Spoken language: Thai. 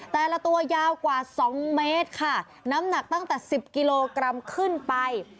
แต่ละตัวยาวกว่าสองเมตรค่ะน้ำหนักตั้งแต่สิบกิโลกรัมขึ้นไป